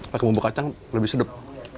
pakai bumbu kacang lebih sedap